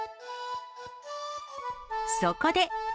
そこで。